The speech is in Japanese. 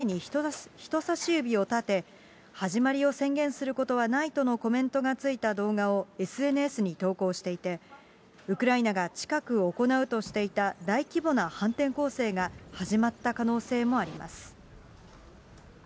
ただ、レズニコフ国防相は４日、ウクライナ軍の兵士らが口の前に人差し指を立て、始まりを宣言することはないとのコメントがついた動画をＳＮＳに投稿していて、ウクライナが近く行うとしていた大規模な反転攻勢が始まった可能性もあります。